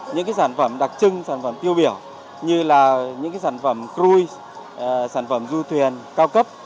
những sản phẩm đặc trưng sản phẩm tiêu biểu như sản phẩm cruise sản phẩm du thuyền cao cấp